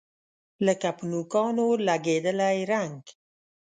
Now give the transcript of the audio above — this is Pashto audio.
لکه په نوکانو لګیدلی رنګ